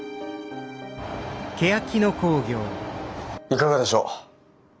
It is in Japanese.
いかがでしょう？